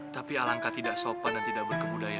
tapi alangkah tidak sopan dan tidak berkebudayaan